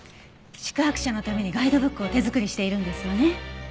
宿泊者のためにガイドブックを手作りしているんですよね？